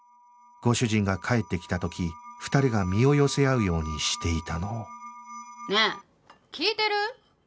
ご主人が帰ってきた時２人が身を寄せ合うようにしていたのをねえ聞いてる？